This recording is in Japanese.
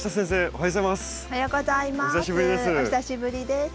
お久しぶりです。